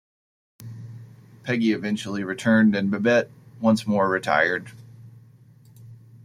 Peggy eventually returned and Babette once more retired.